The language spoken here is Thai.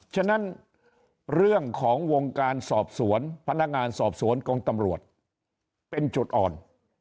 ฉะนั้นเรื่องของวงการสอบสวนพนักงานสอบสวนกองตำรวจเป็นจุดอ่อน